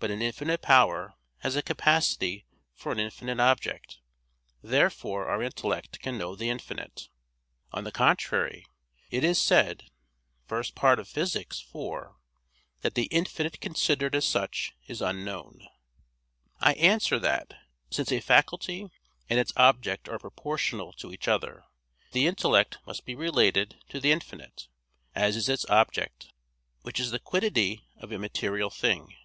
But an infinite power has a capacity for an infinite object. Therefore our intellect can know the infinite. On the contrary, It is said (Phys. i, 4) that "the infinite, considered as such, is unknown." I answer that, Since a faculty and its object are proportional to each other, the intellect must be related to the infinite, as is its object, which is the quiddity of a material thing.